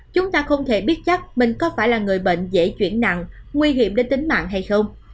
chúng ta không thể biết chắc mình có phải là người bệnh dễ chuyển nặng nguy hiểm đến tính mạng hay không